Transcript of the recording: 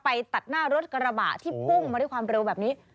ตัดหน้ารถกระบะที่พุ่งมาด้วยความเร็วแบบนี้